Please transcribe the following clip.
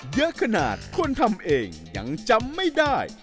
เยอะขนาดคนทำเองยังจำไม่ได้